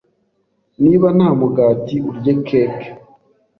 Niba nta mugati, urye keke.